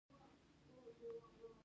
د تعلیم سطحه خورا لوړه شوه.